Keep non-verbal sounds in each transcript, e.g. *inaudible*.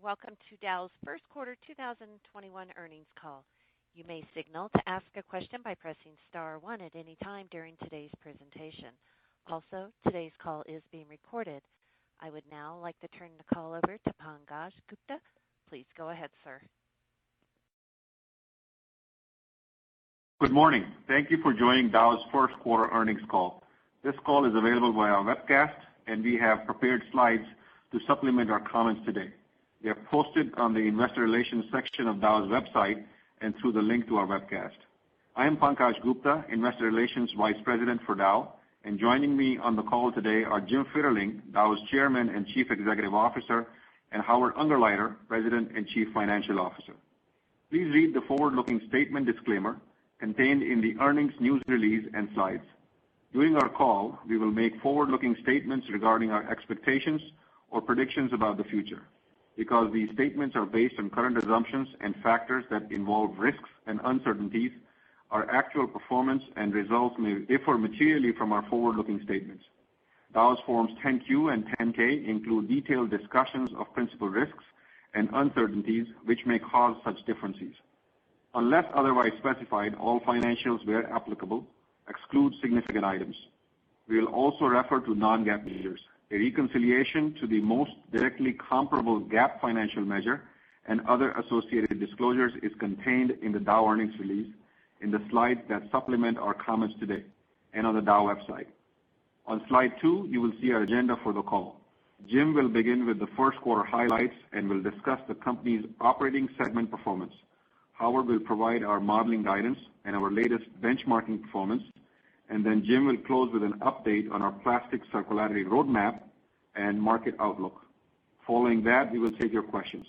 Welcome to Dow's first quarter 2021 earnings call. You may signal to ask a question by pressing star at any time during todays presentation. Also, today's call is being recorded. I would now like to turn the call over to Pankaj Gupta. Please go ahead, sir. Good morning. Thank you for joining Dow's first quarter earnings call. This call is available via webcast, and we have prepared slides to supplement our comments today. They are posted on the investor relations section of Dow's website and through the link to our webcast. I am Pankaj Gupta, Investor Relations Vice President for Dow, and joining me on the call today are Jim Fitterling, Dow's Chairman and Chief Executive Officer, and Howard Ungerleider, President and Chief Financial Officer. Please read the forward-looking statement disclaimer contained in the earnings news release and slides. During our call, we will make forward-looking statements regarding our expectations or predictions about the future. Because these statements are based on current assumptions and factors that involve risks and uncertainties, our actual performance and results may differ materially from our forward-looking statements. Dow's Forms 10-Q and 10-K include detailed discussions of principal risks and uncertainties which may cause such differences. Unless otherwise specified, all financials where applicable exclude significant items. We'll also refer to non-GAAP measures. A reconciliation to the most directly comparable GAAP financial measure and other associated disclosures is contained in the Dow earnings release, in the slides that supplement our comments today, and on the Dow website. On slide two, you will see our agenda for the call. Jim will begin with the first quarter highlights and will discuss the company's operating segment performance. Howard will provide our modeling guidance and our latest benchmarking performance, and then Jim will close with an update on our Plastic Circularity Roadmap and market outlook. Following that, we will take your questions.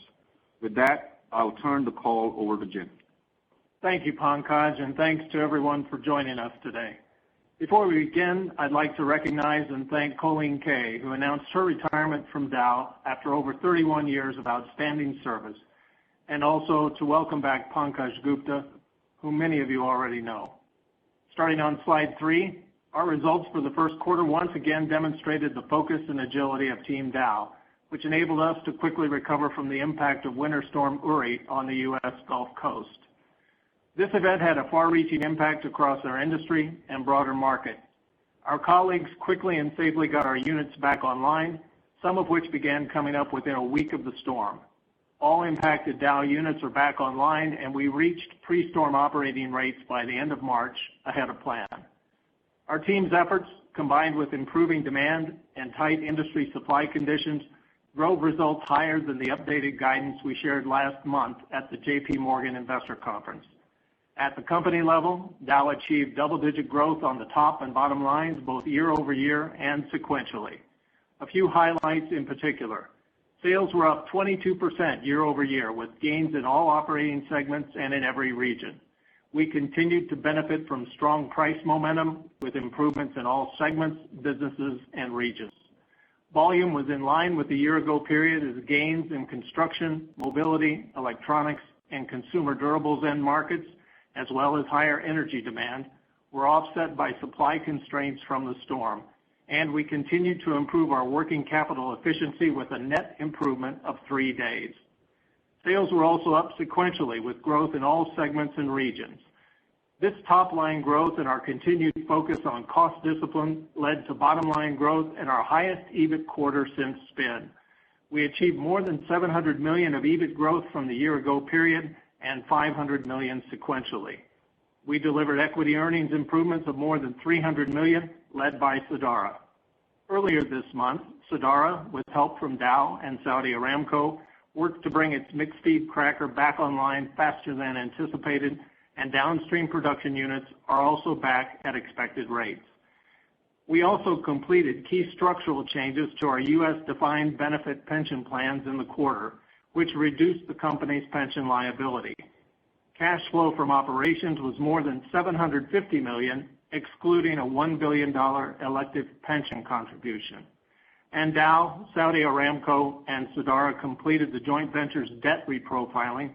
With that, I will turn the call over to Jim. Thank you, Pankaj. Thanks to everyone for joining us today. Before we begin, I'd like to recognize and thank Colleen Kay, who announced her retirement from Dow after over 31 years of outstanding service, and also to welcome back Pankaj Gupta, who many of you already know. Starting on slide three, our results for the first quarter once again demonstrated the focus and agility of Team Dow, which enabled us to quickly recover from the impact of Winter Storm Uri on the U.S. Gulf Coast. This event had a far-reaching impact across our industry and broader market. Our colleagues quickly and safely got our units back online, some of which began coming up within one week of the storm. All impacted Dow units are back online, and we reached pre-storm operating rates by the end of March, ahead of plan. Our team's efforts, combined with improving demand and tight industry supply conditions, drove results higher than the updated guidance we shared last month at the JPMorgan investor conference. At the company level, Dow achieved double-digit growth on the top and bottom lines, both year-over-year and sequentially. A few highlights in particular. Sales were up 22% year-over-year, with gains in all operating segments and in every region. We continued to benefit from strong price momentum, with improvements in all segments, businesses, and regions. Volume was in line with the year ago period as gains in construction, mobility, electronics, and consumer durables end markets, as well as higher energy demand, were offset by supply constraints from the storm, and we continued to improve our working capital efficiency with a net improvement of three days. Sales were also up sequentially with growth in all segments and regions. This top-line growth and our continued focus on cost discipline led to bottom-line growth and our highest EBIT quarter since spin. We achieved more than $700 million of EBIT growth from the year ago period and $500 million sequentially. We delivered equity earnings improvements of more than $300 million, led by Sadara. Earlier this month, Sadara, with help from Dow and Saudi Aramco, worked to bring its mixed-feed cracker back online faster than anticipated, and downstream production units are also back at expected rates. We also completed key structural changes to our U.S. defined benefit pension plans in the quarter, which reduced the company's pension liability. Cash flow from operations was more than $750 million, excluding a $1 billion elective pension contribution. Dow, Saudi Aramco, and Sadara completed the joint venture's debt reprofiling,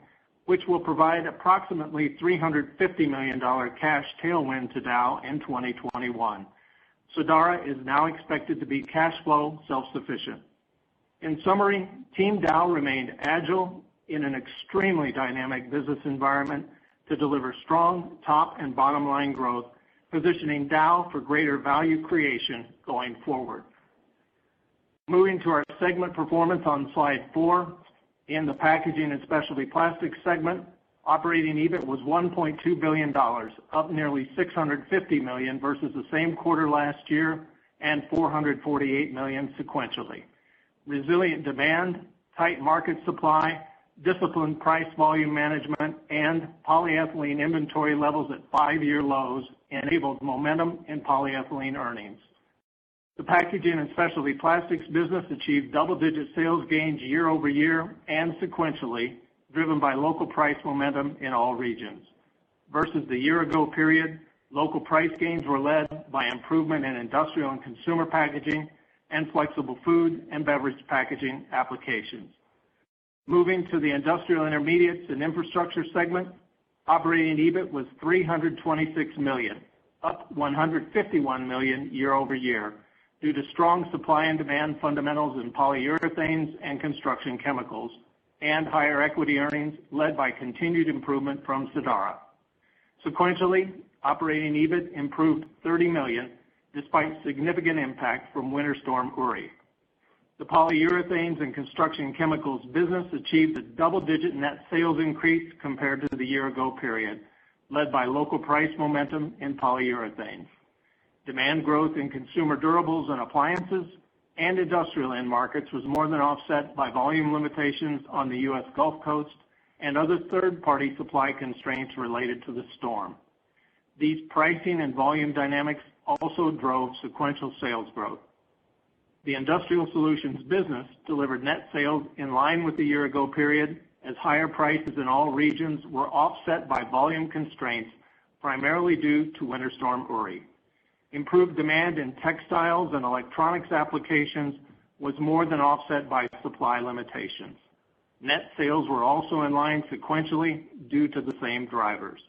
which will provide approximately $350 million cash tailwind to Dow in 2021. Sadara is now expected to be cash flow self-sufficient. In summary, Team Dow remained agile in an extremely dynamic business environment to deliver strong top and bottom-line growth, positioning Dow for greater value creation going forward. Moving to our segment performance on slide four, in the Packaging & Specialty Plastics segment, operating EBIT was $1.2 billion, up nearly $650 million versus the same quarter last year and $448 million sequentially. Resilient demand, tight market supply, disciplined price volume management, and polyethylene inventory levels at five-year lows enabled momentum in polyethylene earnings. The Packaging & Specialty Plastics business achieved double-digit sales gains year-over-year and sequentially, driven by local price momentum in all regions. Versus the year-ago period, local price gains were led by improvement in industrial and consumer packaging and flexible food and beverage packaging applications. Moving to the Industrial Intermediates & Infrastructure segment, operating EBIT was $326 million, up $151 million year-over-year, due to strong supply and demand fundamentals in polyurethanes and construction chemicals and higher equity earnings led by continued improvement from Sadara. Sequentially, operating EBIT improved $30 million despite significant impact from Winter Storm Uri. The Polyurethanes & Construction Chemicals business achieved a double-digit net sales increase compared to the year-ago period, led by local price momentum in polyurethanes. Demand growth in consumer durables and appliances and industrial end markets was more than offset by volume limitations on the U.S. Gulf Coast and other third-party supply constraints related to the storm. These pricing and volume dynamics also drove sequential sales growth. The Industrial Solutions business delivered net sales in line with the year-ago period, as higher prices in all regions were offset by volume constraints, primarily due to Winter Storm Uri. Improved demand in textiles and electronics applications was more than offset by supply limitations. Net sales were also in line sequentially due to the same drivers.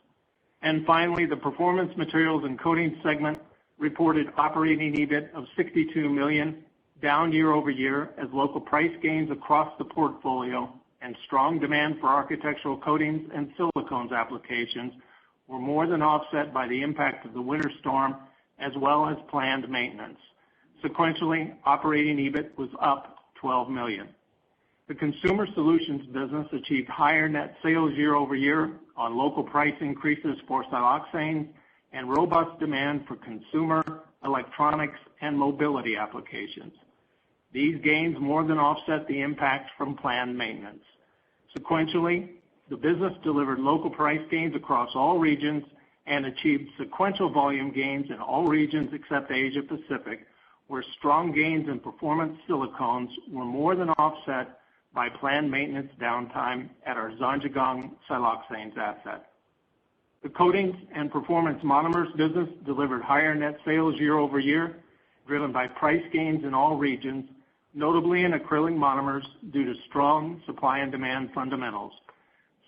Finally, the Performance Materials and Coatings segment reported operating EBIT of $62 million, down year-over-year as local price gains across the portfolio and strong demand for architectural coatings and silicones applications were more than offset by the impact of the winter storm as well as planned maintenance. Sequentially, operating EBIT was up $12 million. The Consumer Solutions business achieved higher net sales year-over-year on local price increases for siloxane and robust demand for consumer, electronics, and mobility applications. These gains more than offset the impact from planned maintenance. Sequentially, the business delivered local price gains across all regions and achieved sequential volume gains in all regions except Asia Pacific, where strong gains in performance silicones were more than offset by planned maintenance downtime at our Zhangjiagang siloxanes asset. The Coatings and Performance Monomers business delivered higher net sales year-over-year, driven by price gains in all regions, notably in acrylic monomers, due to strong supply and demand fundamentals.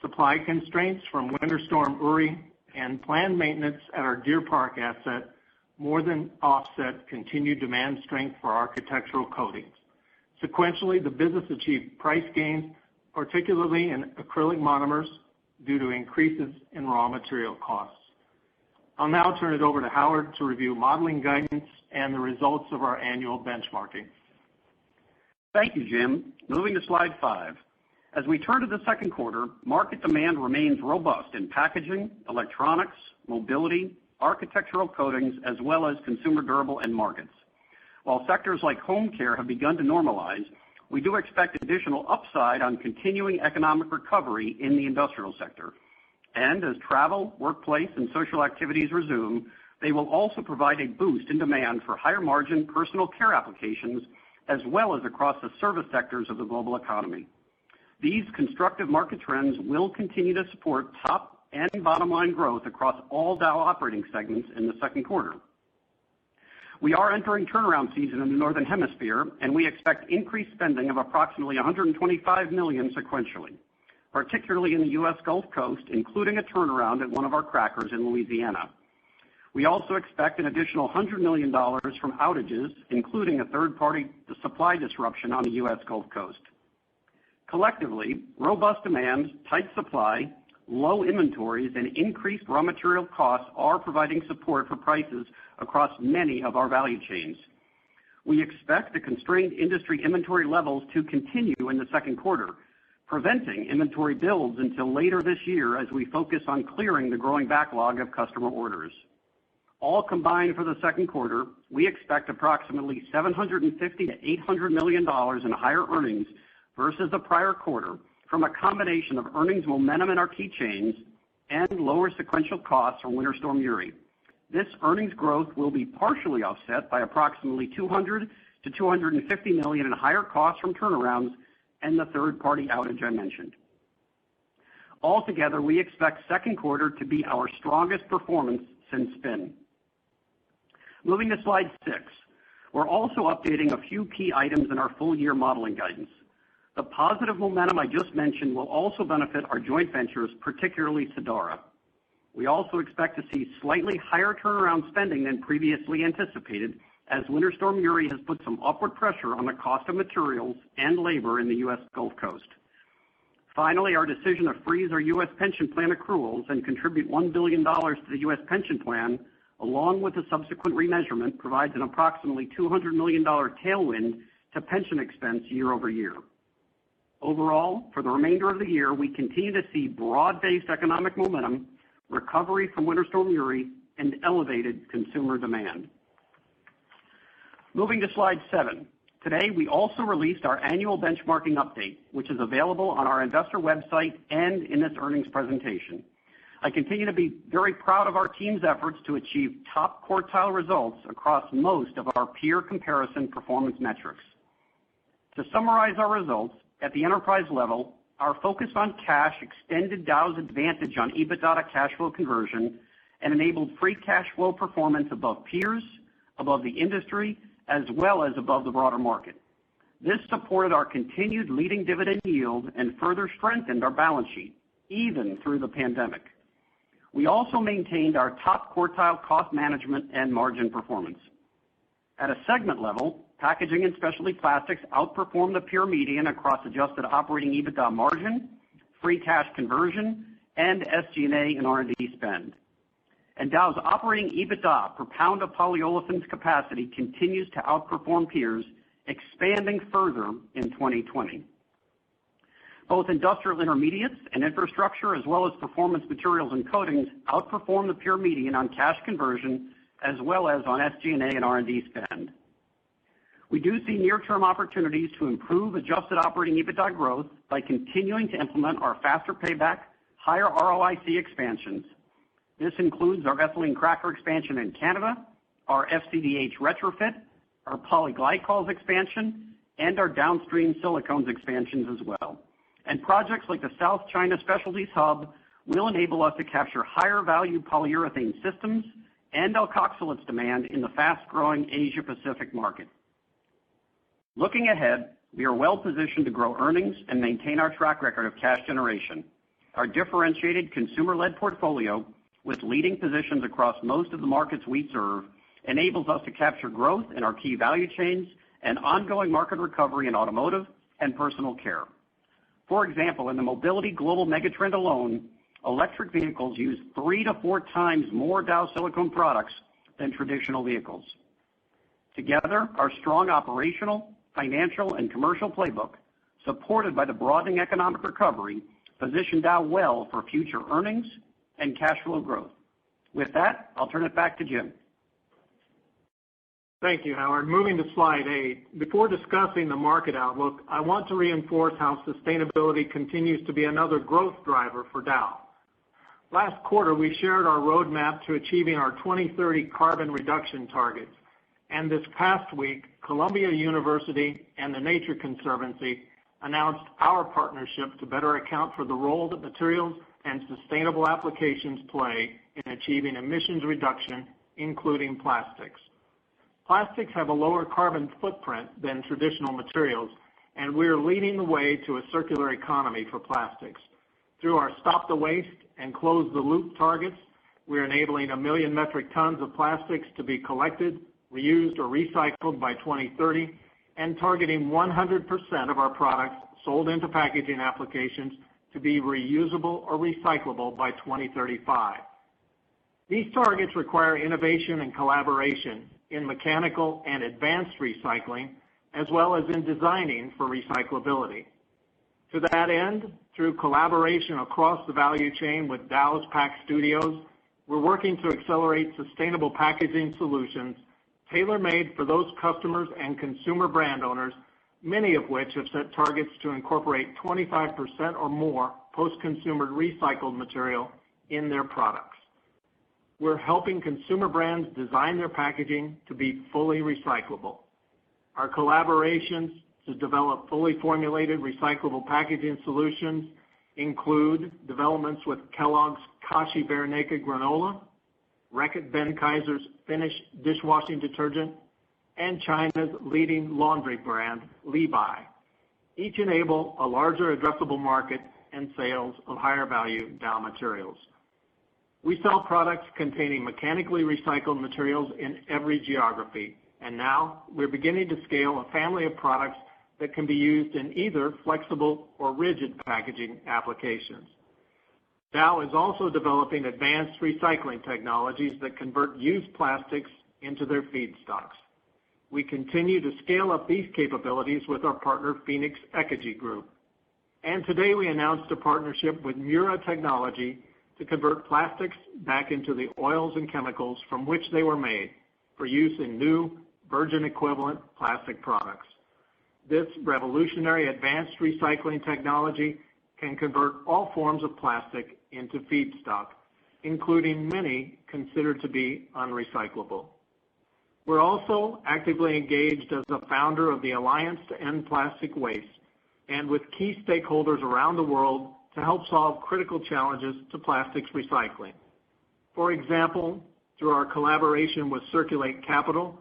Supply constraints from Winter Storm Uri and planned maintenance at our Deer Park asset more than offset continued demand strength for architectural coatings. Sequentially, the business achieved price gains, particularly in acrylic monomers, due to increases in raw material costs. I'll now turn it over to Howard to review modeling guidance and the results of our annual benchmarking. Thank you, Jim. Moving to slide five. As we turn to the second quarter, market demand remains robust in packaging, electronics, mobility, architectural coatings, as well as consumer durable end markets. While sectors like home care have begun to normalize, we do expect additional upside on continuing economic recovery in the industrial sector. As travel, workplace, and social activities resume, they will also provide a boost in demand for higher-margin personal care applications, as well as across the service sectors of the global economy. These constructive market trends will continue to support top and bottom-line growth across all Dow operating segments in the second quarter. We are entering turnaround season in the Northern Hemisphere, and we expect increased spending of approximately $125 million sequentially, particularly in the U.S. Gulf Coast, including a turnaround at one of our crackers in Louisiana. We also expect an additional $100 million from outages, including a third-party supply disruption on the U.S. Gulf Coast. Collectively, robust demand, tight supply, low inventories, and increased raw material costs are providing support for prices across many of our value chains. We expect the constrained industry inventory levels to continue in the second quarter, preventing inventory builds until later this year as we focus on clearing the growing backlog of customer orders. All combined for the second quarter, we expect approximately $750 million-$800 million in higher earnings versus the prior quarter from a combination of earnings momentum in our key chains and lower sequential costs from Winter Storm Uri. This earnings growth will be partially offset by approximately $200 million-$250 million in higher costs from turnarounds and the third-party outage I mentioned. Altogether, we expect second quarter to be our strongest performance since spin. Moving to slide six. We're also updating a few key items in our full year modeling guidance. The positive momentum I just mentioned will also benefit our joint ventures, particularly Sadara. We also expect to see slightly higher turnaround spending than previously anticipated, as Winter Storm Uri has put some upward pressure on the cost of materials and labor in the U.S. Gulf Coast. Finally, our decision to freeze our U.S. pension plan accruals and contribute $1 billion to the U.S. pension plan, along with the subsequent remeasurement, provides an approximately $200 million tailwind to pension expense year-over-year. Overall, for the remainder of the year, we continue to see broad-based economic momentum, recovery from Winter Storm Uri, and elevated consumer demand. Moving to slide seven. Today, we also released our annual benchmarking update, which is available on our investor website and in this earnings presentation. I continue to be very proud of our team's efforts to achieve top-quartile results across most of our peer comparison performance metrics. To summarize our results, at the enterprise level, our focus on cash extended Dow's advantage on EBITDA to cash flow conversion and enabled free cash flow performance above peers. Above the industry, as well as above the broader market. This supported our continued leading dividend yield and further strengthened our balance sheet, even through the pandemic. We also maintained our top quartile cost management and margin performance. At a segment level, Packaging & Specialty Plastics outperformed the peer median across adjusted operating EBITDA margin, free cash conversion, and SG&A and R&D spend. Dow's operating EBITDA per pound of polyolefins capacity continues to outperform peers, expanding further in 2020. Both Industrial Intermediates & Infrastructure, as well as Performance Materials and Coatings, outperformed the peer median on cash conversion, as well as on SG&A and R&D spend. We do see near-term opportunities to improve adjusted operating EBITDA growth by continuing to implement our faster payback, higher ROIC expansions. This includes our ethylene cracker expansion in Canada, our FCDH retrofit, our polyglycols expansion, and our downstream silicones expansions as well. Projects like the South China Specialties Hub will enable us to capture higher value polyurethane systems and alkoxylates demand in the fast-growing Asia Pacific market. Looking ahead, we are well positioned to grow earnings and maintain our track record of cash generation. Our differentiated consumer-led portfolio, with leading positions across most of the markets we serve, enables us to capture growth in our key value chains and ongoing market recovery in automotive and personal care. For example, in the mobility global megatrend alone, electric vehicles use three to four times more Dow silicone products than traditional vehicles. Together, our strong operational, financial and commercial playbook, supported by the broadening economic recovery, position Dow well for future earnings and cash flow growth. With that, I'll turn it back to Jim. Thank you, Howard. Moving to slide eight. Before discussing the market outlook, I want to reinforce how sustainability continues to be another growth driver for Dow. This past week, Columbia University and The Nature Conservancy announced our partnership to better account for the role that materials and sustainable applications play in achieving emissions reduction, including plastics. Plastics have a lower carbon footprint than traditional materials. We're leading the way to a circular economy for plastics. Through our Stop the Waste and Close the Loop targets, we're enabling a million metric tons of plastics to be collected, reused, or recycled by 2030 and targeting 100% of our products sold into packaging applications to be reusable or recyclable by 2035. These targets require innovation and collaboration in mechanical and advanced recycling, as well as in designing for recyclability. To that end, through collaboration across the value chain with Dow's Pack Studios, we're working to accelerate sustainable packaging solutions tailor-made for those customers and consumer brand owners, many of which have set targets to incorporate 25% or more post-consumer recycled material in their products. We're helping consumer brands design their packaging to be fully recyclable. Our collaborations to develop fully formulated recyclable packaging solutions include developments with Kellogg's Kashi Bear Naked granola, Reckitt Benckiser's Finish dishwashing detergent, and China's leading laundry brand, Liby. Each enable a larger addressable market and sales of higher value Dow materials. We sell products containing mechanically recycled materials in every geography, and now we're beginning to scale a family of products that can be used in either flexible or rigid packaging applications. Dow is also developing advanced recycling technologies that convert used plastics into their feedstocks. We continue to scale up these capabilities with our partner, Fuenix Ecogy Group. Today, we announced a partnership with Mura Technology to convert plastics back into the oils and chemicals from which they were made for use in new virgin-equivalent plastic products. This revolutionary advanced recycling technology can convert all forms of plastic into feedstock, including many considered to be unrecyclable. We're also actively engaged as a founder of the Alliance to End Plastic Waste and with key stakeholders around the world to help solve critical challenges to plastics recycling. For example, through our collaboration with Circulate Capital,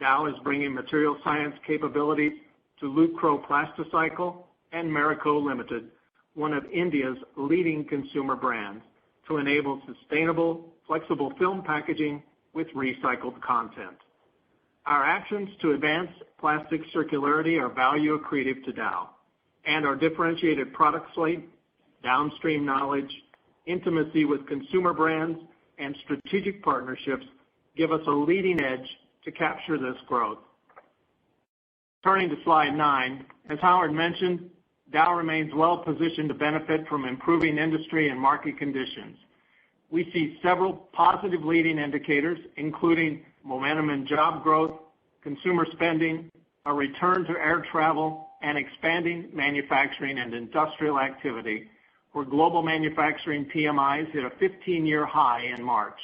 Dow is bringing material science capabilities to Lucro Plastecycle and Marico Limited, one of India's leading consumer brands, to enable sustainable flexible film packaging with recycled content. Our actions to advance plastic circularity are value accretive to Dow. Our differentiated product slate, downstream knowledge, intimacy with consumer brands, and strategic partnerships give us a leading edge to capture this growth. Turning to slide nine. As Howard mentioned, Dow remains well positioned to benefit from improving industry and market conditions. We see several positive leading indicators, including momentum in job growth, consumer spending, a return to air travel, and expanding manufacturing and industrial activity, where global manufacturing PMIs hit a 15-year high in March.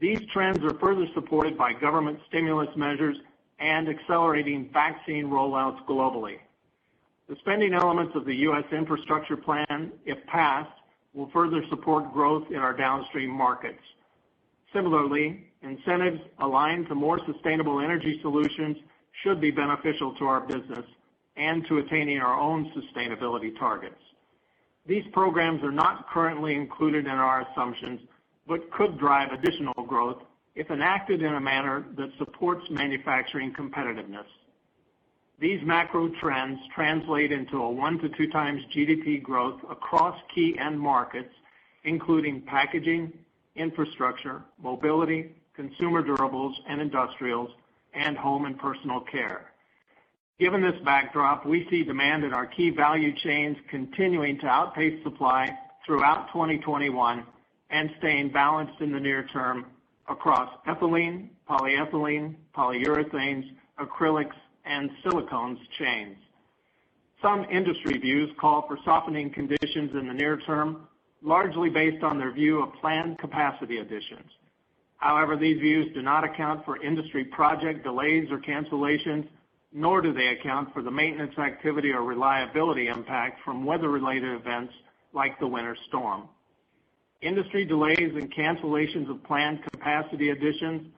These trends are further supported by government stimulus measures and accelerating vaccine rollouts globally. The spending elements of the U.S. infrastructure plan, if passed, will further support growth in our downstream markets. Similarly, incentives aligned to more sustainable energy solutions should be beneficial to our business and to attaining our own sustainability targets. These programs are not currently included in our assumptions. Could drive additional growth if enacted in a manner that supports manufacturing competitiveness. These macro trends translate into a one to two times GDP growth across key end markets, including packaging, infrastructure, mobility, consumer durables and industrials, and home and personal care. Given this backdrop, we see demand in our key value chains continuing to outpace supply throughout 2021 and staying balanced in the near term across ethylene, polyethylene, polyurethanes, acrylics, and silicones chains. Some industry views call for softening conditions in the near term, largely based on their view of planned capacity additions. However, these views do not account for industry project delays or cancellations, nor do they account for the maintenance activity or reliability impact from weather-related events like the winter storm. Industry delays and cancellations of planned capacity additions,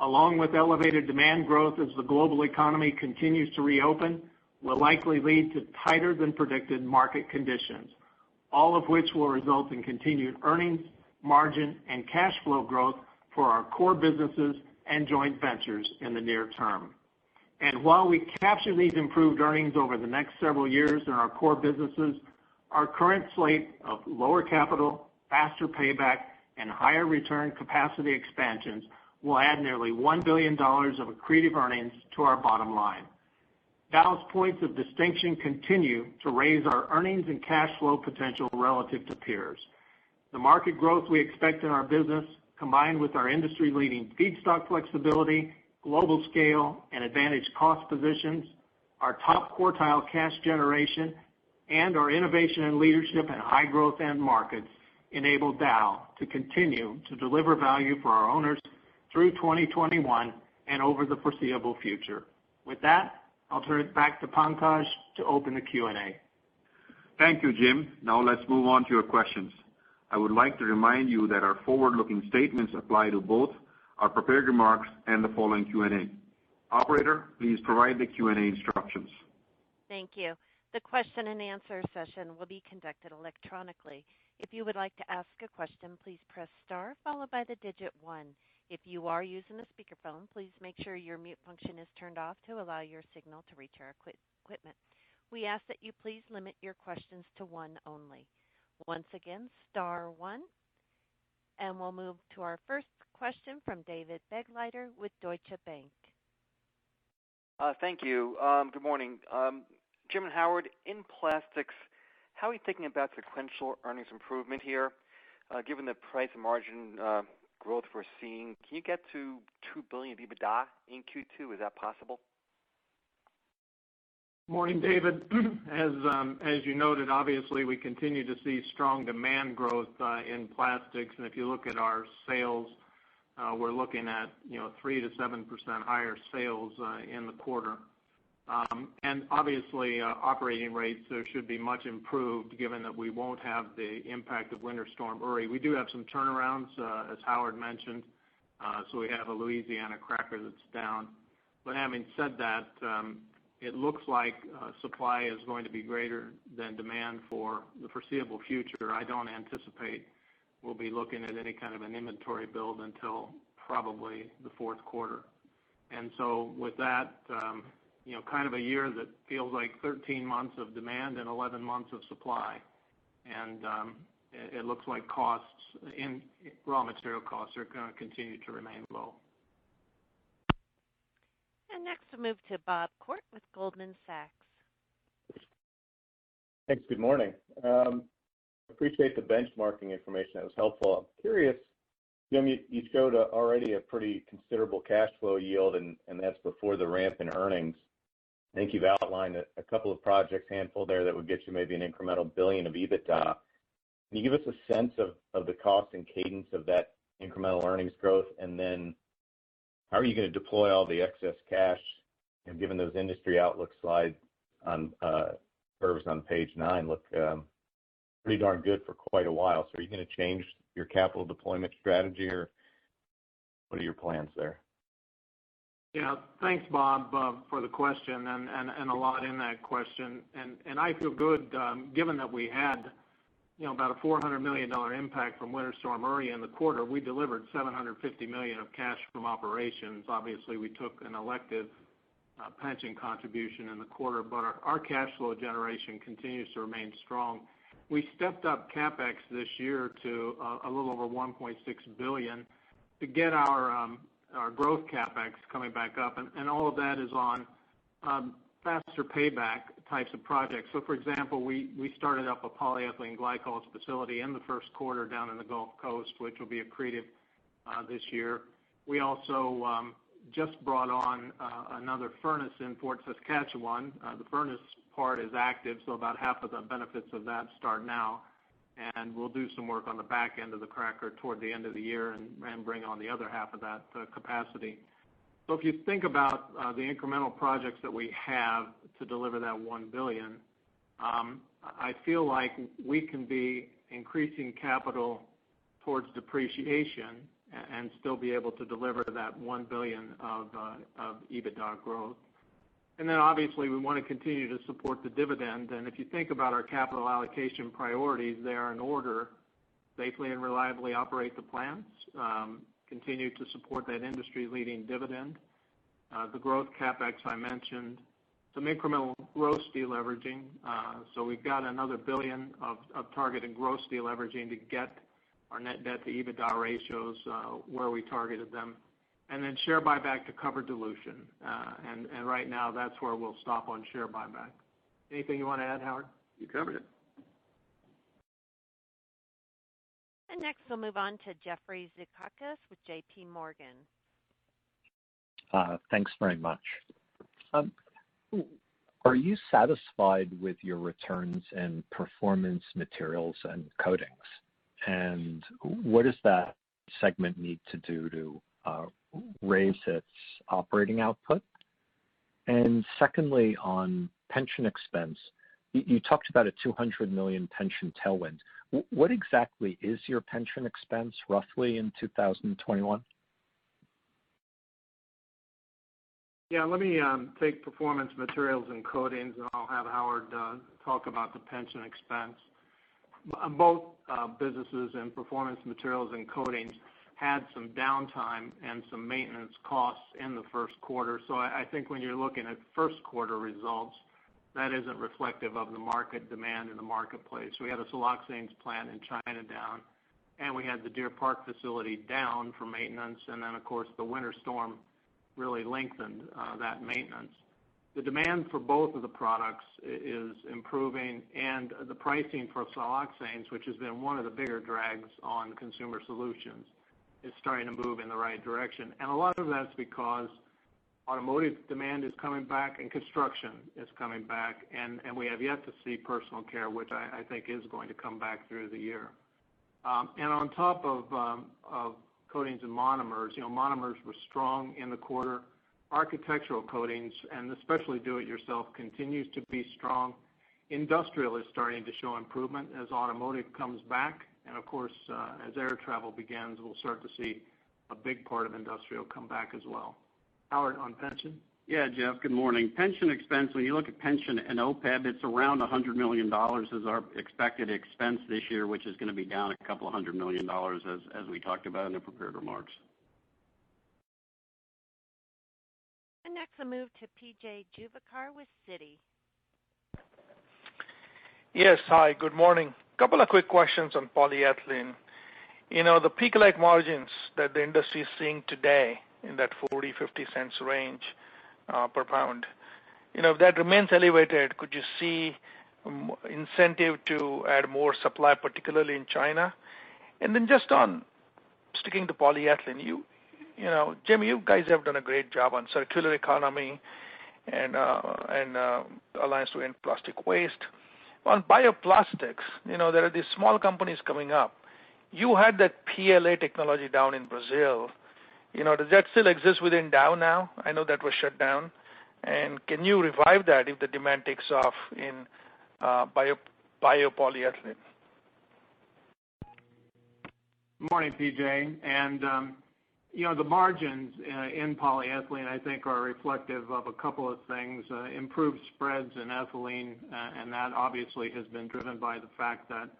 along with elevated demand growth as the global economy continues to reopen, will likely lead to tighter than predicted market conditions, all of which will result in continued earnings, margin, and cash flow growth for our core businesses and joint ventures in the near term. While we capture these improved earnings over the next several years in our core businesses, our current slate of lower capital, faster payback, and higher return capacity expansions will add nearly $1 billion of accretive earnings to our bottom line. Dow's points of distinction continue to raise our earnings and cash flow potential relative to peers. The market growth we expect in our business, combined with our industry-leading feedstock flexibility, global scale, and advantage cost positions, our top quartile cash generation, and our innovation and leadership in high growth end markets, enable Dow to continue to deliver value for our owners through 2021 and over the foreseeable future. With that, I'll turn it back to Pankaj to open the Q&A. Thank you, Jim. Let's move on to your questions. I would like to remind you that our forward-looking statements apply to both our prepared remarks and the following Q&A. Operator, please provide the Q&A instructions. Thank you. The question and answer session will be conducted electronically. If you would like to ask a question, please press star followed by the digit one. If you are using a speakerphone, please make sure your mute function is turned off to allow your signal to reach our equipment. We ask that you please limit your questions to one only. Once again, star one. We'll move to our first question from David Begleiter with Deutsche Bank. Thank you. Good morning. Jim and Howard, in Plastics, how are you thinking about sequential earnings improvement here, given the price margin growth we're seeing? Can you get to $2 billion EBITDA in Q2? Is that possible? Morning, David. As you noted, obviously, we continue to see strong demand growth in Plastics. If you look at our sales, we're looking at 3%-7% higher sales in the quarter. Obviously, operating rates should be much improved given that we won't have the impact of Winter Storm Uri. We do have some turnarounds, as Howard mentioned, so we have a Louisiana cracker that's down. Having said that, it looks like supply is going to be greater than demand for the foreseeable future. I don't anticipate we'll be looking at any kind of an inventory build until probably the fourth quarter. With that, kind of a year that feels like 13 months of demand and 11 months of supply. It looks like raw material costs are going to continue to remain low. Next we'll move to Bob Koort with Goldman Sachs. Thanks. Good morning. Appreciate the benchmarking information. That was helpful. I'm curious, Jim, you showed already a pretty considerable cash flow yield, and that's before the ramp in earnings. I think you've outlined a couple of projects, handful there, that would get you maybe an incremental $1 billion of EBITDA. Can you give us a sense of the cost and cadence of that incremental earnings growth? How are you going to deploy all the excess cash? Given those industry outlook slides on curves on page nine look pretty darn good for quite a while. Are you going to change your capital deployment strategy, or what are your plans there? Yeah. Thanks, Bob, for the question and a lot in that question. I feel good, given that we had about a $400 million impact from Winter Storm Uri in the quarter. We delivered $750 million of cash from operations. Obviously, we took an elective pension contribution in the quarter, but our cash flow generation continues to remain strong. We stepped up CapEx this year to a little over $1.6 billion to get our growth CapEx coming back up. All of that is on faster payback types of projects. For example, we started up a polyethylene glycols facility in the first quarter down in the Gulf Coast, which will be accretive this year. We also just brought on another furnace in Fort Saskatchewan. The furnace part is active, about half of the benefits of that start now, and we'll do some work on the back end of the cracker toward the end of the year and bring on the other half of that capacity. If you think about the incremental projects that we have to deliver that $1 billion, I feel like we can be increasing capital towards depreciation and still be able to deliver that $1 billion of EBITDA growth. Obviously, we want to continue to support the dividend. If you think about our capital allocation priorities, they are in order: safely and reliably operate the plants, continue to support that industry-leading dividend, the growth CapEx I mentioned, some incremental gross deleveraging. We've got another $1 billion of targeted gross deleveraging to get our net debt-to-EBITDA ratios where we targeted them, and then share buyback to cover dilution. Right now, that's where we'll stop on share buyback. Anything you want to add, Howard? You covered it. Next, we'll move on to Jeffrey Zekauskas with JPMorgan. Thanks very much. Are you satisfied with your returns in Performance Materials and Coatings? What does that segment need to do to raise its operating output? Secondly, on pension expense, you talked about a $200 million pension tailwind. What exactly is your pension expense roughly in 2021? Yeah, let me take Performance Materials and Coatings, and I'll have Howard talk about the pension expense. Both businesses in Performance Materials and Coatings had some downtime and some maintenance costs in the first quarter. I think when you're looking at first quarter results, that isn't reflective of the market demand in the marketplace. We had a siloxanes plant in China down, and we had the Deer Park facility down for maintenance. Of course, the winter storm really lengthened that maintenance. The demand for both of the products is improving, and the pricing for siloxanes, which has been one of the bigger drags on Consumer Solutions, is starting to move in the right direction. A lot of that's because automotive demand is coming back, and construction is coming back, and we have yet to see personal care, which I think is going to come back through the year. On top of coatings and monomers were strong in the quarter. Architectural coatings, and especially do-it-yourself, continues to be strong. Industrial is starting to show improvement as automotive comes back. Of course, as air travel begins, we'll start to see a big part of industrial come back as well. Howard, on pension? Yeah, Jeffrey, good morning. Pension expense, when you look at pension and OPEB, it is around $100 million is our expected expense this year, which is going to be down $200 million as we talked about in the prepared remarks. Next, we'll move to P.J. Juvekar with Citi. Yes. Hi, good morning. Couple of quick questions on polyethylene. The peak-like margins that the industry is seeing today in that $0.40-$0.50 range per pound. If that remains elevated, could you see incentive to add more supply, particularly in China? Just on sticking to polyethylene, Jim, you guys have done a great job on circular economy and Alliance to End Plastic Waste. On bioplastics, there are these small companies coming up. You had that PLA technology down in Brazil. Does that still exist within Dow now? I know that was shut down. Can you revive that if the demand takes off in biopolyethylene? Morning, P.J. The margins in polyethylene, I think, are reflective of a couple of things. Improved spreads in ethylene, that obviously has been driven by the fact that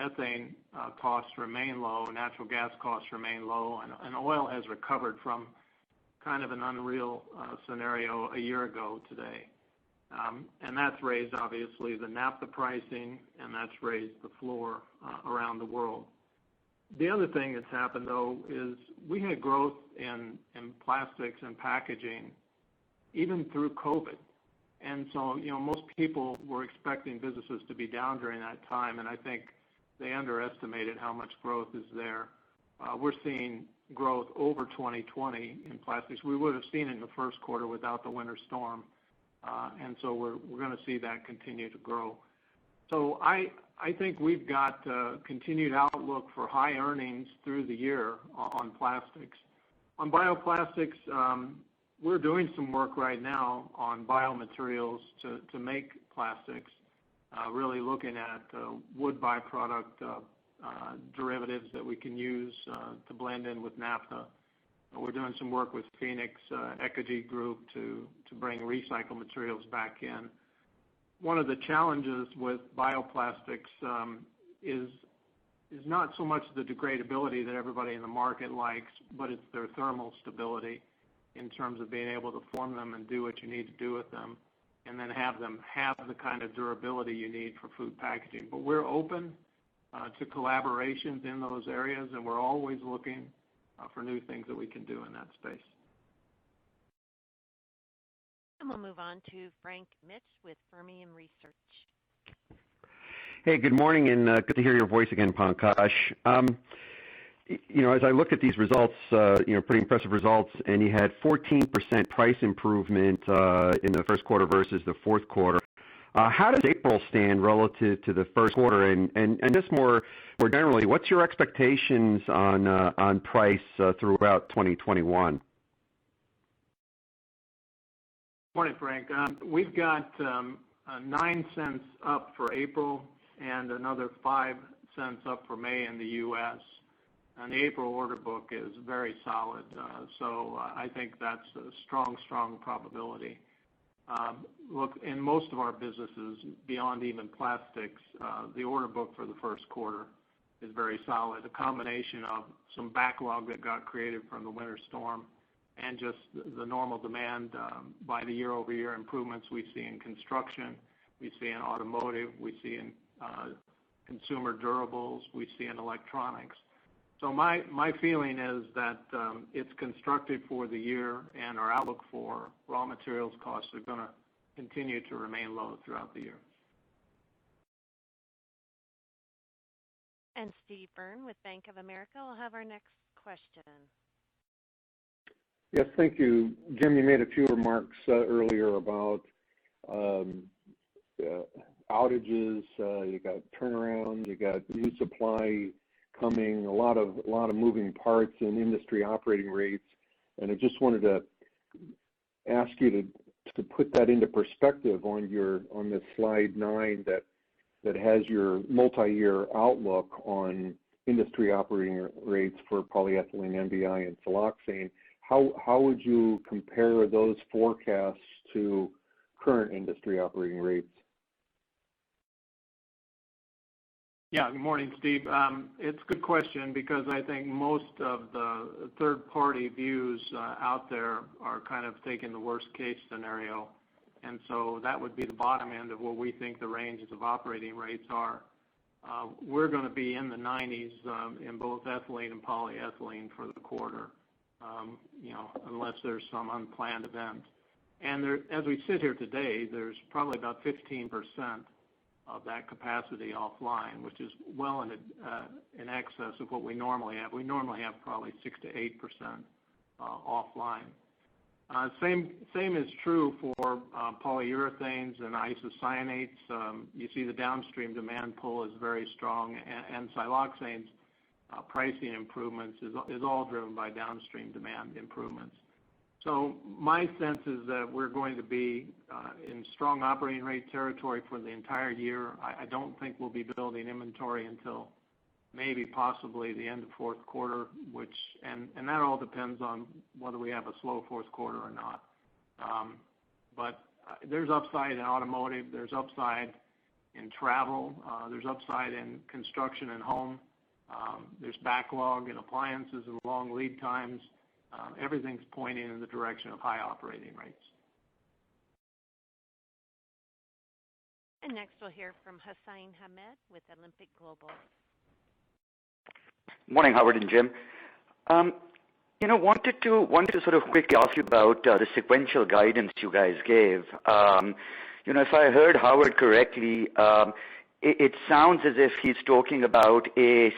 ethane costs remain low, natural gas costs remain low, and oil has recovered from kind of an unreal scenario a year ago today. That's raised, obviously, the naphtha pricing, that's raised the floor around the world. The other thing that's happened, though, is we had growth in plastics and packaging even through COVID. Most people were expecting businesses to be down during that time, I think they underestimated how much growth is there. We're seeing growth over 2020 in plastics. We would've seen it in the first quarter without the winter storm. We're going to see that continue to grow. I think we've got a continued outlook for high earnings through the year on plastics. On bioplastics, we're doing some work right now on biomaterials to make plastics, really looking at wood byproduct derivatives that we can use to blend in with naphtha. We're doing some work with Fuenix Ecogy Group to bring recycled materials back in. One of the challenges with bioplastics is not so much the degradability that everybody in the market likes, but it's their thermal stability in terms of being able to form them and do what you need to do with them, and then have them have the kind of durability you need for food packaging. We're open to collaborations in those areas, and we're always looking for new things that we can do in that space. We'll move on to Frank Mitsch with Fermium Research. Hey, good morning, and good to hear your voice again, Pankaj. As I look at these results, pretty impressive results, and you had 14% price improvement in the first quarter versus the fourth quarter. How does April stand relative to the first quarter? Just more generally, what's your expectations on price throughout 2021? Morning, Frank. We've got $0.09 up for April and another $0.05 up for May in the U.S. The April order book is very solid. I think that's a strong probability. Look, in most of our businesses, beyond even plastics, the order book for the first quarter is very solid. A combination of some backlog that got created from the winter storm and just the normal demand by the year-over-year improvements we see in construction, we see in automotive, we see in consumer durables, we see in electronics. My feeling is that it's constructive for the year, and our outlook for raw materials costs are going to continue to remain low throughout the year. Steve Byrne with Bank of America will have our next question. Yes. Thank you. Jim, you made a few remarks earlier about outages. You got turnarounds, you got resupply coming, a lot of moving parts in industry operating rates. I just wanted to ask you to put that into perspective on the slide nine that has your multi-year outlook on industry operating rates for polyethylene, MDI, and siloxane. How would you compare those forecasts to current industry operating rates? Good morning, Steve. It's a good question because I think most of the third-party views out there are kind of taking the worst-case scenario. That would be the bottom end of what we think the ranges of operating rates are. We're going to be in the 90s in both ethylene and polyethylene for the quarter, unless there's some unplanned event. As we sit here today, there's probably about 15% of that capacity offline, which is well in excess of what we normally have. We normally have probably 6%-8% offline. Same is true for polyurethanes and isocyanates. You see the downstream demand pull is very strong. Siloxanes pricing improvements is all driven by downstream demand improvements. My sense is that we're going to be in strong operating rate territory for the entire year. I don't think we'll be building inventory until maybe possibly the end of fourth quarter. That all depends on whether we have a slow fourth quarter or not. There's upside in automotive, there's upside in travel, there's upside in construction and home. There's backlog in appliances and long lead times. Everything's pointing in the direction of high operating rates. Next, we'll hear from Hassan Ahmed with Alembic Global. Morning, Howard and Jim. Wanted to sort of quickly ask you about the sequential guidance you guys gave. If I heard Howard correctly, it sounds as if he's talking about a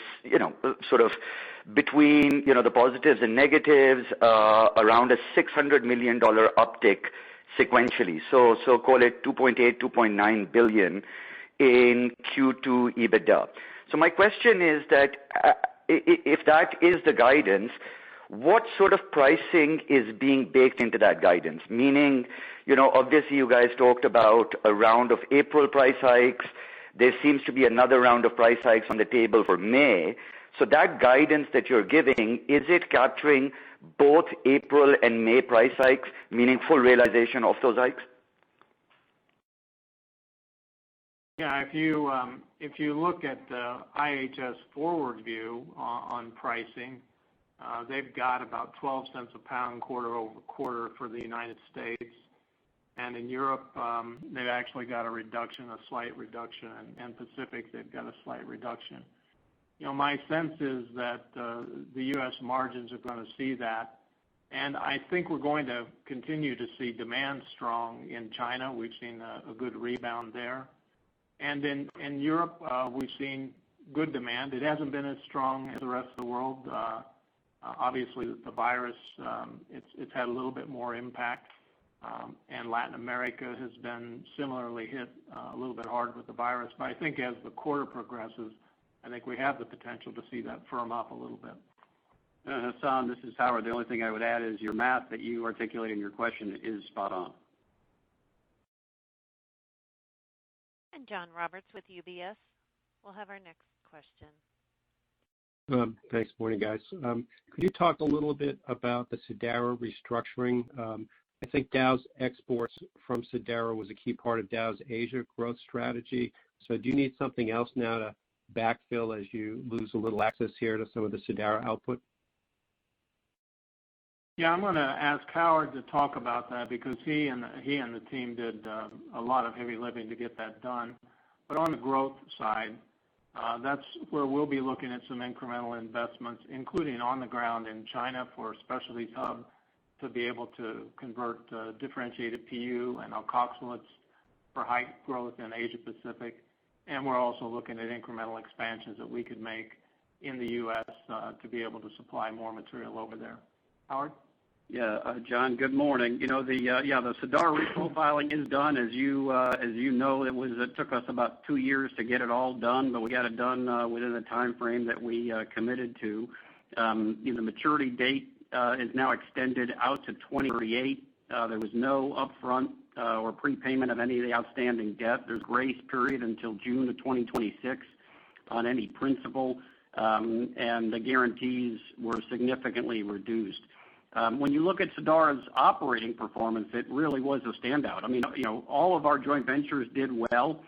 sort of between the positives and negatives around a $600 million uptick sequentially. Call it $2.8 billion, $2.9 billion in Q2 EBITDA. My question is that if that is the guidance, what sort of pricing is being baked into that guidance? Meaning, obviously you guys talked about a round of April price hikes. There seems to be another round of price hikes on the table for May. That guidance that you're giving, is it capturing both April and May price hikes, meaning full realization of those hikes? Yeah, if you look at the IHS forward view on pricing, they've got about $0.12 a pound quarter-over-quarter for the United States. In Europe, they've actually got a reduction, a slight reduction. In Pacific, they've got a slight reduction. My sense is that the U.S. margins are going to see that, and I think we're going to continue to see demand strong in China. We've seen a good rebound there. In Europe, we've seen good demand. It hasn't been as strong as the rest of the world. Obviously, the virus, it's had a little bit more impact. Latin America has been similarly hit a little bit hard with the virus. I think as the quarter progresses, I think we have the potential to see that firm up a little bit. Hassan, this is Howard. The only thing I would add is your math that you articulated in your question is spot on. John Roberts with UBS will have our next question. Thanks. Morning, guys. Could you talk a little bit about the Sadara restructuring? I think Dow's exports from Sadara was a key part of Dow's Asia growth strategy. Do you need something else now to backfill as you lose a little access here to some of the Sadara output? Yeah, I'm going to ask Howard to talk about that because he and the team did a lot of heavy lifting to get that done. On the growth side, that's where we'll be looking at some incremental investments, including on the ground in China for a specialty hub to be able to convert differentiated PU and alkoxylates for high growth in Asia Pacific. We're also looking at incremental expansions that we could make in the U.S. to be able to supply more material over there. Howard? John, good morning. The Sadara reprofiling is done. As you know, it took us about two years to get it all done, we got it done within the timeframe that we committed to. The maturity date is now extended out to 2038. There was no upfront or prepayment of any of the outstanding debt. There's grace period until June of 2026 on any principal. The guarantees were significantly reduced. When you look at Sadara's operating performance, it really was a standout. All of our joint ventures did well,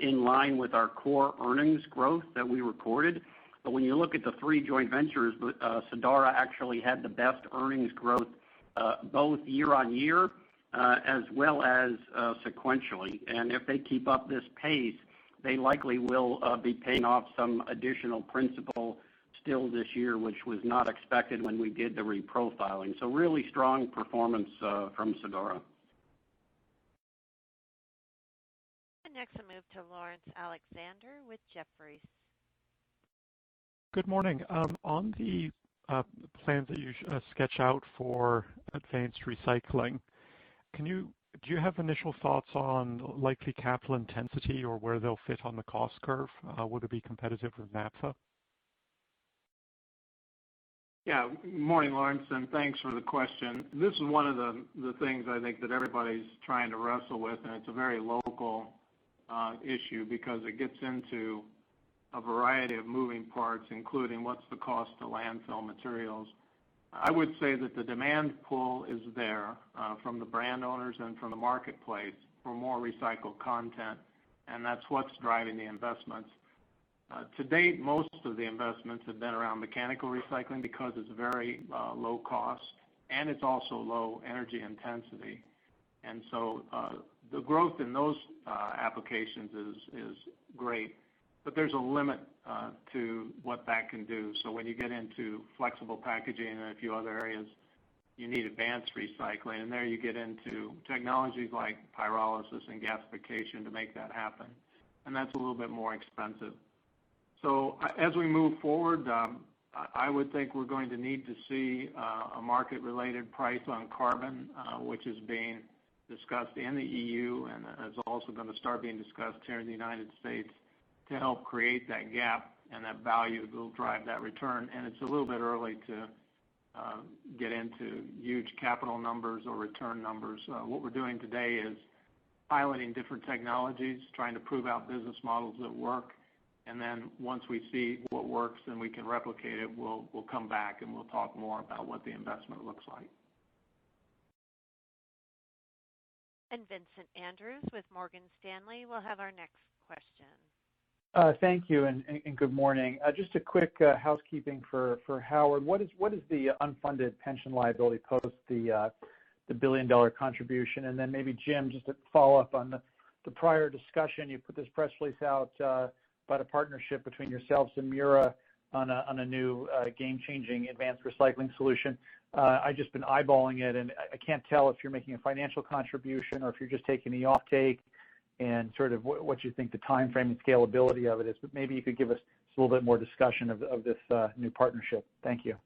in line with our core earnings growth that we reported. When you look at the three joint ventures, Sadara actually had the best earnings growth both year-over-year as well as sequentially. If they keep up this pace, they likely will be paying off some additional principal still this year, which was not expected when we did the reprofiling. Really strong performance from Sadara. Next, I move to Laurence Alexander with Jefferies. Good morning. On the plans that you sketch out for advanced recycling, do you have initial thoughts on likely capital intensity or where they'll fit on the cost curve? Would it be competitive with naphtha? Yeah. Morning, Laurence, thanks for the question. This is one of the things I think that everybody's trying to wrestle with, it's a very local issue because it gets into a variety of moving parts, including what's the cost to landfill materials. I would say that the demand pull is there from the brand owners and from the marketplace for more recycled content, that's what's driving the investments. To date, most of the investments have been around mechanical recycling because it's very low cost and it's also low energy intensity. The growth in those applications is great, but there's a limit to what that can do. When you get into flexible packaging and a few other areas, you need advanced recycling, there you get into technologies like pyrolysis and gasification to make that happen. That's a little bit more expensive. As we move forward, I would think we're going to need to see a market-related price on carbon, which is being discussed in the EU, and is also going to start being discussed here in the United States to help create that gap and that value that will drive that return. It's a little bit early to get into huge capital numbers or return numbers. What we're doing today is piloting different technologies, trying to prove out business models that work, and then once we see what works, then we can replicate it. We'll come back, and we'll talk more about what the investment looks like. Vincent Andrews with Morgan Stanley will have our next question. Thank you, and good morning. Just a quick housekeeping for Howard. What is the unfunded pension liability post the $1 billion contribution? Maybe Jim, just to follow up on the prior discussion, you put this press release out about a partnership between yourselves and Mura on a new game-changing advanced recycling solution. I've just been eyeballing it, and I can't tell if you're making a financial contribution or if you're just taking the offtake and sort of what you think the timeframe and scalability of it is. Maybe you could give us just a little bit more discussion of this new partnership. Thank you.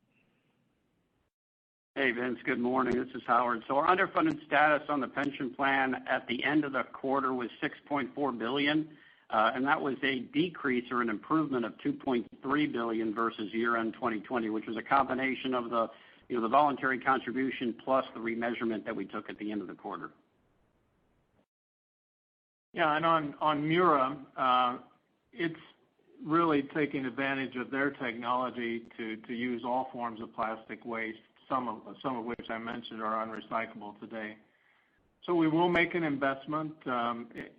Hey, Vince. Good morning. This is Howard. Our underfunded status on the pension plan at the end of the quarter was $6.4 billion, and that was a decrease or an improvement of $2.3 billion versus year-end 2020, which was a combination of the voluntary contribution plus the remeasurement that we took at the end of the quarter. On Mura, it's really taking advantage of their technology to use all forms of plastic waste, some of which I mentioned are unrecyclable today. We will make an investment.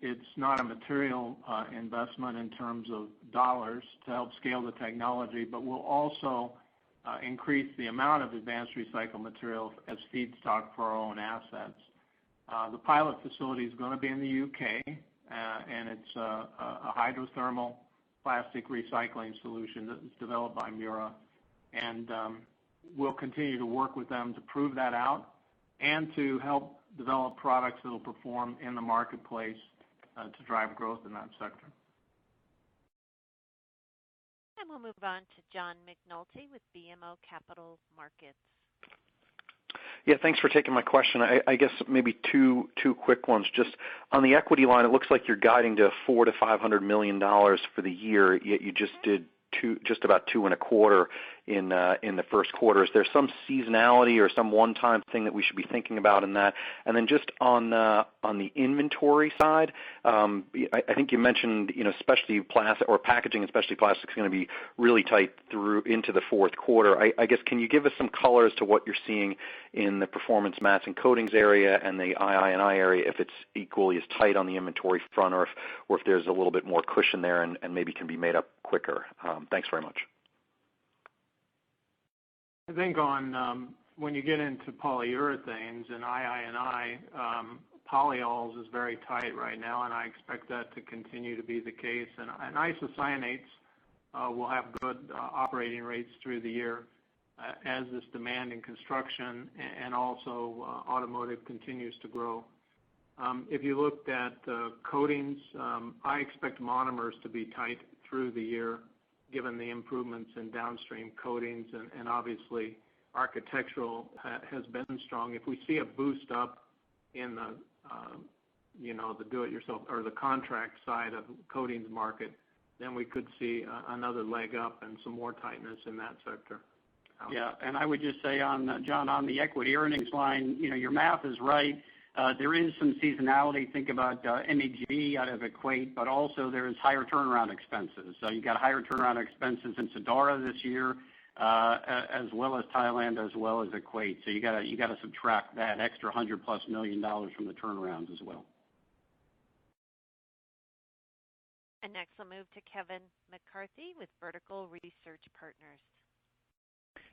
It's not a material investment in terms of dollars to help scale the technology, but we'll also increase the amount of advanced recycled materials as feedstock for our own assets. The pilot facility is going to be in the U.K., and it's a hydrothermal plastic recycling solution that was developed by Mura. We'll continue to work with them to prove that out and to help develop products that'll perform in the marketplace to drive growth in that sector. We'll move on to John McNulty with BMO Capital Markets. Yeah. Thanks for taking my question. I guess maybe two quick ones. On the equity line, it looks like you're guiding to $400 million-$500 million for the year, yet you just did just about two and a quarter in the first quarter. Is there some seasonality or some one-time thing that we should be thinking about in that? Then just on the inventory side, I think you mentioned packaging, especially plastic, is going to be really tight into the fourth quarter. I guess can you give us some color as to what you're seeing in the Performance Materials and Coatings area and the II&I area, if it's equally as tight on the inventory front or if there's a little bit more cushion there and maybe can be made up quicker? Thanks very much. I think when you get into polyurethanes and II&I, polyols is very tight right now, and I expect that to continue to be the case. Isocyanates will have good operating rates through the year as this demand in construction and also automotive continues to grow. If you looked at the coatings, I expect monomers to be tight through the year, given the improvements in downstream coatings, and obviously architectural has been strong. If we see a boost up in the do it yourself or the contract side of the coatings market, then we could see another leg up and some more tightness in that sector. Yeah. I would just say, John, on the equity earnings line, your math is right. There is some seasonality. Think about MEG out of EQUATE, but also there is higher turnaround expenses. You've got higher turnaround expenses in Sadara this year, as well as Thailand, as well as EQUATE. You've got to subtract that extra $100+ million from the turnarounds as well. Next I'll move to Kevin McCarthy with Vertical Research Partners.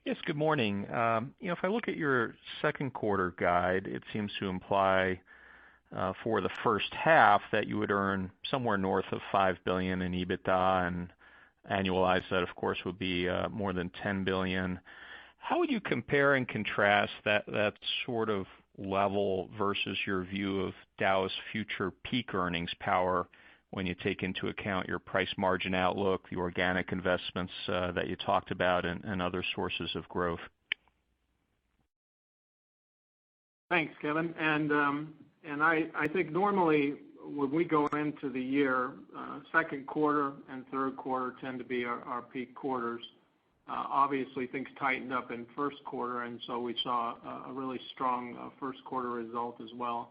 Yes, good morning. If I look at your second quarter guide, it seems to imply for the first half that you would earn somewhere north of $5 billion in EBITDA, and annualize that, of course, would be more than $10 billion. How would you compare and contrast that sort of level versus your view of Dow's future peak earnings power when you take into account your price margin outlook, your organic investments that you talked about and other sources of growth? Thanks, Kevin. I think normally when we go into the year, second quarter and third quarter tend to be our peak quarters. Obviously, things tightened up in first quarter, we saw a really strong first quarter result as well.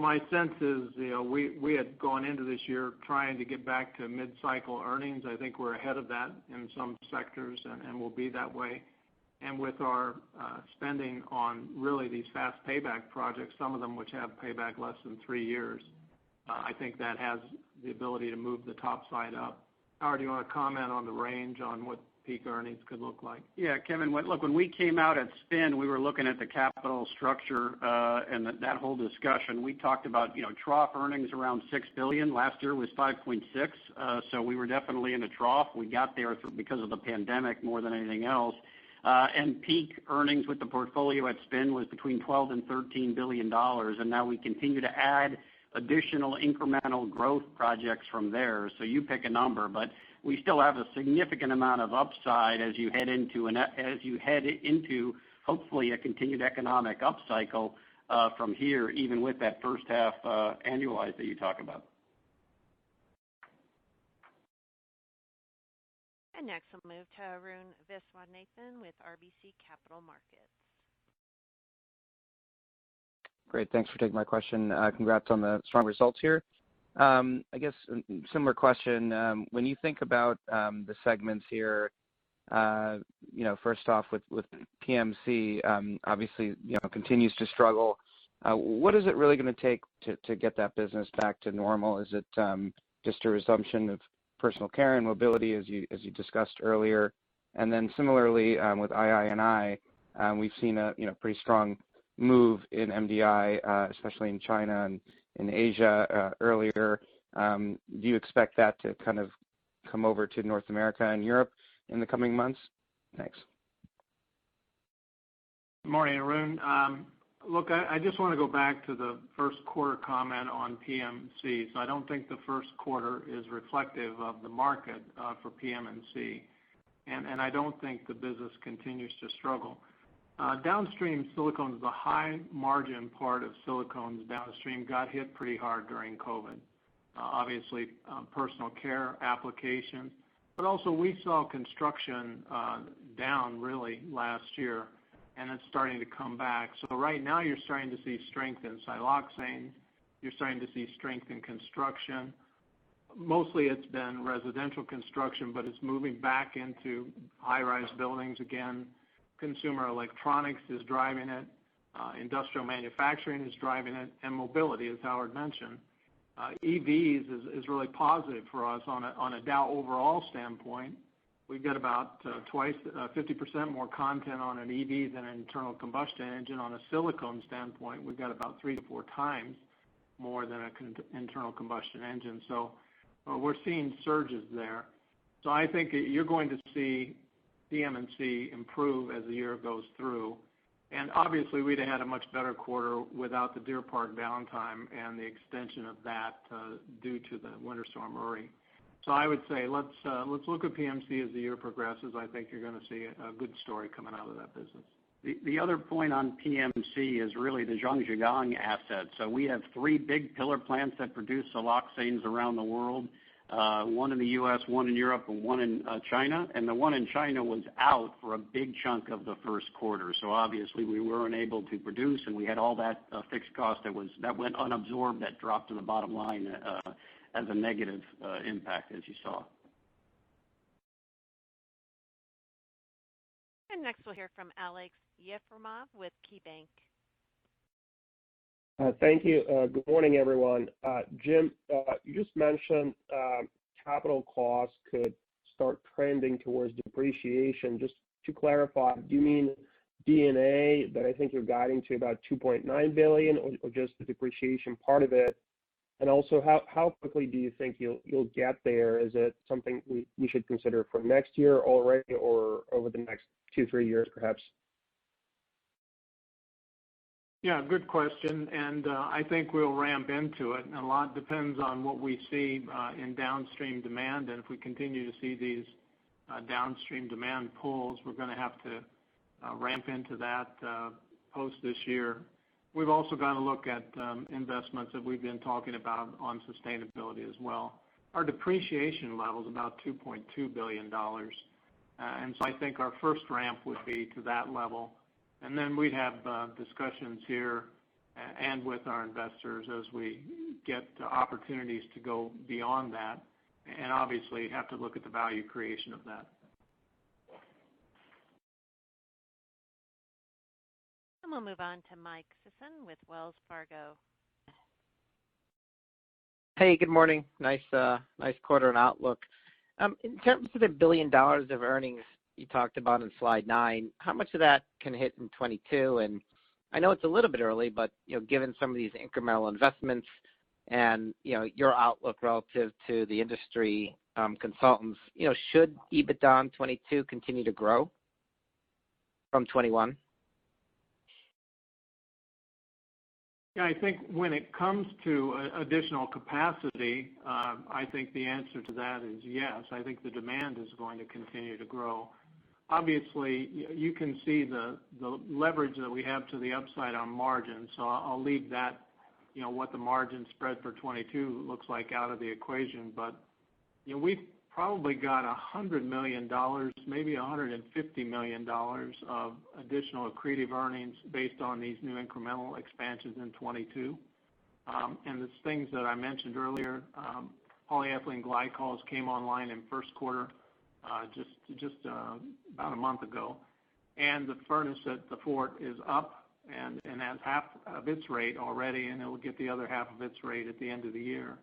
My sense is, we had gone into this year trying to get back to mid-cycle earnings. I think we're ahead of that in some sectors and will be that way. With our spending on really these fast payback projects, some of them which have payback less than three years, I think that has the ability to move the top side up. Howard, do you want to comment on the range on what peak earnings could look like? Kevin, look, when we came out at Spin, we were looking at the capital structure, and that whole discussion, we talked about trough earnings around $6 billion. Last year was $5.6 billion. We were definitely in a trough. We got there because of the pandemic more than anything else. Peak earnings with the portfolio at Spin was between $12 billion and $13 billion. Now we continue to add additional incremental growth projects from there. You pick a number, but we still have a significant amount of upside as you head into, hopefully, a continued economic upcycle from here, even with that first half annualized that you talk about. Next I'll move to Arun Viswanathan with RBC Capital Markets. Great, thanks for taking my question. Congrats on the strong results here. I guess similar question. When you think about the segments here, first off with PM&C, obviously, continues to struggle. What is it really going to take to get that business back to normal? Is it just a resumption of personal care and mobility as you discussed earlier? Similarly, with II&I, we've seen a pretty strong move in MDI, especially in China and in Asia earlier. Do you expect that to kind of come over to North America and Europe in the coming months? Thanks. Morning, Arun. I just want to go back to the first quarter comment on PM&Cs. I don't think the first quarter is reflective of the market for PM&C. I don't think the business continues to struggle. Downstream silicone is a high margin part of silicones downstream, got hit pretty hard during COVID. Obviously, personal care application. Also, we saw construction down really last year. It's starting to come back. Right now you're starting to see strength in siloxane. You're starting to see strength in construction. Mostly it's been residential construction. It's moving back into high-rise buildings again. Consumer electronics is driving it. Industrial manufacturing is driving it. Mobility, as Howard mentioned. EVs is really positive for us on a Dow overall standpoint. We've got about 50% more content on an EV than an internal combustion engine. On a silicone standpoint, we've got about three to four times more than an internal combustion engine. We're seeing surges there. I think you're going to see PM&C improve as the year goes through. Obviously we'd have had a much better quarter without the Deer Park downtime and the extension of that, due to the Winter Storm Uri. I would say let's look at PM&C as the year progresses. I think you're going to see a good story coming out of that business. The other point on PM&C is really the Zhangjiagang asset. We have three big pillar plants that produce siloxanes around the world. One in the U.S., one in Europe, and one in China, and the one in China was out for a big chunk of the first quarter. Obviously we were unable to produce, and we had all that fixed cost that went unabsorbed, that dropped to the bottom line, as a negative impact as you saw. Next we'll hear from Aleksey Yefremov with KeyBanc. Thank you. Good morning, everyone. Jim, you just mentioned capital costs could start trending towards depreciation. Just to clarify, do you mean D&A that I think you're guiding to about $2.9 billion or just the depreciation part of it? Also, how quickly do you think you'll get there? Is it something we should consider for next year already or over the next two, three years perhaps? Yeah, good question. I think we'll ramp into it. A lot depends on what we see in downstream demand. If we continue to see these downstream demand pulls, we're going to have to ramp into that post this year. We've also got to look at investments that we've been talking about on sustainability as well. Our depreciation level is about $2.2 billion. I think our first ramp would be to that level, then we'd have discussions here and with our investors as we get the opportunities to go beyond that, and obviously, have to look at the value creation of that. We'll move on to Mike Sison with Wells Fargo. Hey, good morning. Nice quarter and outlook. In terms of the $1 billion of earnings you talked about in slide nine, how much of that can hit in 2022? I know it's a little bit early, but given some of these incremental investments and your outlook relative to the industry consultants, should EBITDA in 2022 continue to grow from 2021? Yeah. I think when it comes to additional capacity, I think the answer to that is yes. I think the demand is going to continue to grow. Obviously, you can see the leverage that we have to the upside on margin. I'll leave that what the margin spread for 2022 looks like out of the equation. We've probably got $100 million, maybe $150 million of additional accretive earnings based on these new incremental expansions in 2022. There's things that I mentioned earlier. Polyethylene glycols came online in first quarter just about a month ago. The furnace at the Fort is up and at half of its rate already, and it will get the other half of its rate at the end of the year.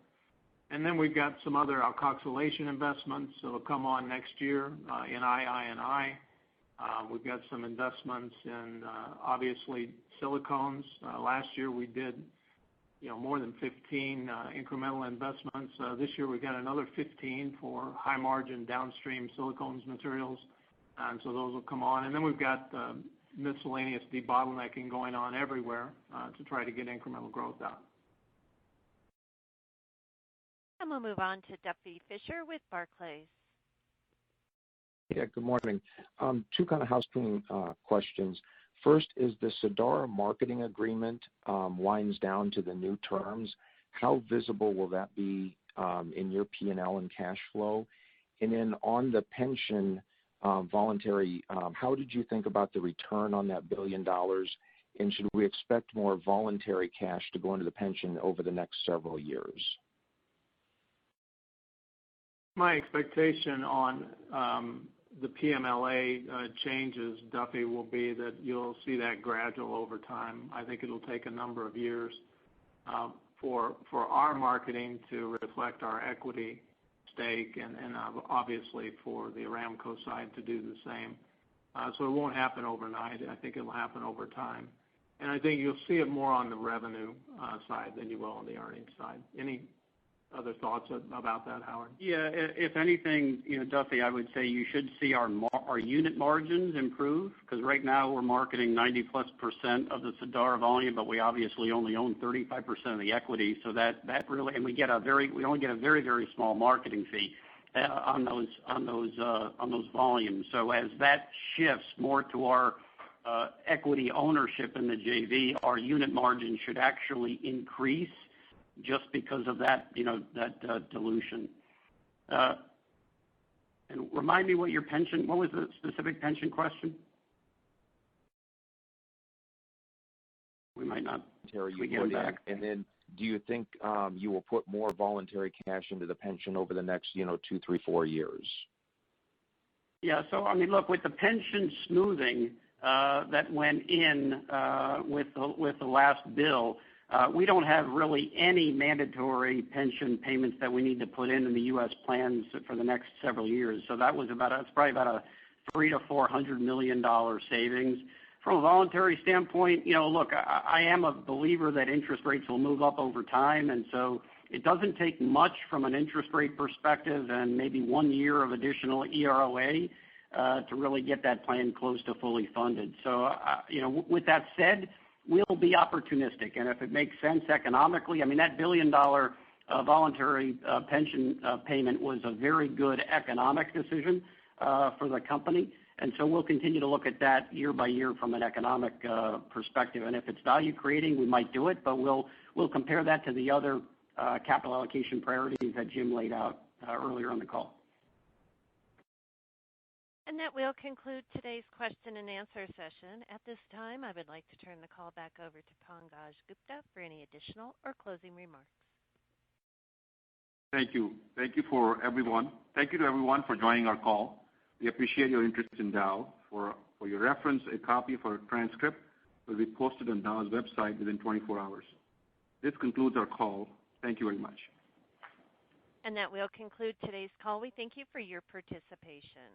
We've got some other alkoxylation investments that will come on next year in II&I. We've got some investments in, obviously, silicones. Last year, we did more than 15 incremental investments. This year, we've got another 15 for high-margin downstream silicones materials. Those will come on. We've got miscellaneous debottlenecking going on everywhere to try to get incremental growth out. We'll move on to Duffy Fischer with Barclays. Yeah. Good morning. Two kind of housekeeping questions. First is the Sadara marketing agreement winds down to the new terms. How visible will that be in your P&L and cash flow? On the pension voluntary, how did you think about the return on that $1 billion? Should we expect more voluntary cash to go into the pension over the next several years? My expectation on the PMLA changes, Duffy, will be that you'll see that gradual over time. I think it'll take a number of years for our marketing to reflect our equity stake and obviously for the Aramco side to do the same. It won't happen overnight. I think it'll happen over time. I think you'll see it more on the revenue side than you will on the earnings side. Any other thoughts about that, Howard? Yeah. If anything, Duffy Fischer, I would say you should see our unit margins improve because right now we're marketing 90%+ of the Sadara volume, but we obviously only own 35% of the equity. We only get a very small marketing fee on those volumes. As that shifts more to our equity ownership in the JV, our unit margin should actually increase just because of that dilution. Remind me what was the specific pension question? *inaudible* Then do you think you will put more voluntary cash into the pension over the next two, three, four years? Look, with the pension smoothing that went in with the last bill, we don't have really any mandatory pension payments that we need to put into the U.S. plans for the next several years. That's probably about a $300 million-$400 million savings. From a voluntary standpoint, look, I am a believer that interest rates will move up over time, and so it doesn't take much from an interest rate perspective and maybe one year of additional EROA to really get that plan close to fully funded. With that said, we'll be opportunistic, and if it makes sense economically, that billion-dollar voluntary pension payment was a very good economic decision for the company. We'll continue to look at that year by year from an economic perspective. If it's value-creating, we might do it, but we'll compare that to the other capital allocation priorities that Jim laid out earlier on the call. That will conclude today's question and answer session. At this time, I would like to turn the call back over to Pankaj Gupta for any additional or closing remarks. Thank you. Thank you to everyone for joining our call. We appreciate your interest in Dow. For your reference, a copy of our transcript will be posted on Dow's website within 24 hours. This concludes our call. Thank you very much. That will conclude today's call. We thank you for your participation.